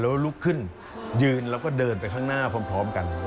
แล้วลุกขึ้นยืนแล้วก็เดินไปข้างหน้าพร้อมกัน